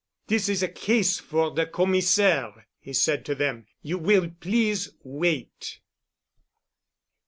"This is a case for the Commissaire," he said to them. "You will please wait."